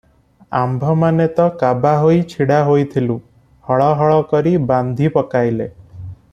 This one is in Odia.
ଆମ୍ଭମାନେ ତ କାବା ହୋଇ ଛିଡ଼ା ହୋଇଥିଲୁ, ହଳ ହଳ କରି ବାନ୍ଧି ପକାଇଲେ ।